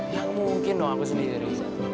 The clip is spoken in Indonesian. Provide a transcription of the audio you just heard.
ya mungkin dong aku sendiri